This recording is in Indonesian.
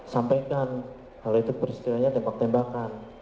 sampaikan kalau itu peristiwanya tembak tembakan